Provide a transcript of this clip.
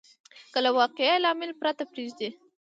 که له واقعي لامل پرته پرېږدي.